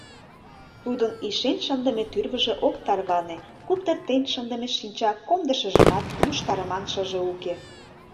тудын ишен шындыме тӱрвыжӧ ок тарване, куптыртен шындыме шинча комдышыжымат луштарыман шыже уке